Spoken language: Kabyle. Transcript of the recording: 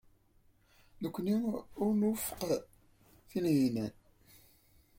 Nekkni ur nwufeq Tunhinan.